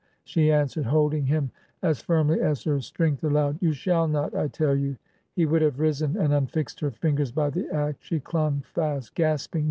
she answered, holding him as firmly as her strength al lowed. 'You shall not, I tell you.' He would have risen, and unfixed her fingers by the act; she clung fast, gasping.